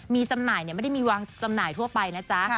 มีจำหน่ายไม่ได้มีวางจำหน่ายทั่วไปนะจ๊ะ